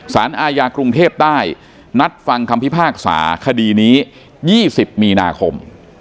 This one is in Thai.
สารอาญากรุงเทพใต้นัดฟังคำพิพากษาคดีนี้๒๐มีนาคม